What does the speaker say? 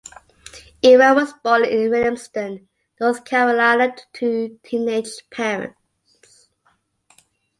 Ewell was born in Williamston, North Carolina to teenage parents.